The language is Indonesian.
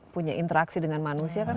punya interaksi dengan manusia kan